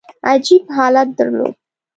عجیب حالت درلود.